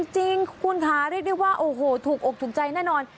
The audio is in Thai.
จริงคุณค่ะเรียกได้ว่าโอ้โหถูกอกถูกใจแน่นอน